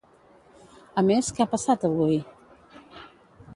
A més, què ha passat avui?